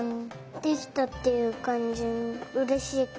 できたっていうかんじのうれしいかお。